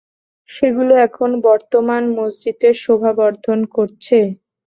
সেগুলো এখন বর্তমান মসজিদের শোভা বর্ধন করছে।